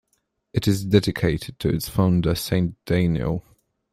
It is dedicated to its founder, Saint Deiniol.